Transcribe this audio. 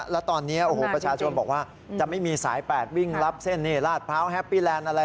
แล้วตอนนี้โอ้โหประชาชนบอกว่าจะไม่มีสายแปดวิ่งรับเส้นลาดพร้าวแฮปปี้แลนด์อะไร